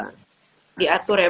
diatur ya bang ya termasuk